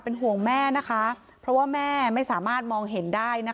ห่วงแม่นะคะเพราะว่าแม่ไม่สามารถมองเห็นได้นะคะ